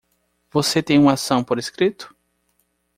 Você tem uma ação por escrito?